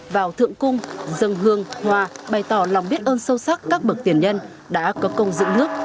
vào thượng cung dân hương hòa bày tỏ lòng biết ơn sâu sắc các bậc tiền nhân đã có công dựng nước